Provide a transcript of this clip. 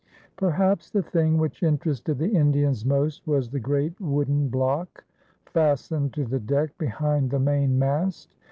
Perhaps the thing which interested the Indians most was the great wooden block fastened to the deck behind the mainmast.